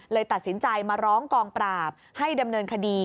เลยตัดสินใจมาร้องกองปราบให้ดำเนินคดี